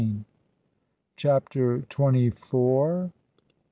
CHAPTER TWENTY FOUR.